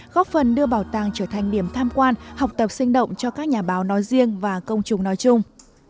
góp phần đưa bảo tàng trở thành điểm tham quan học tập sinh động cho các nhà báo nói riêng và công chúng nói chung